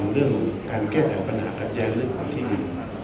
ของการแก้แห่งปัญหากัดแย้งเรื่องของที่มี